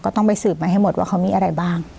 ต้องไปสืบมาให้หมดว่าเขามีอะไรบ้าง